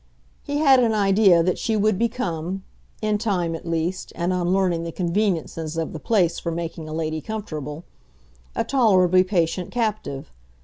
He had an idea that she would become—in time at least, and on learning the conveniences of the place for making a lady comfortable—a tolerably patient captive.